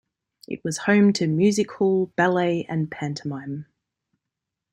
It was home to music hall, ballet and pantomime.